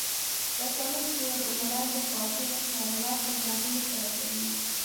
رسنۍ پر وړاندې ګواښونه چارواکو غوږونو ته رسوي.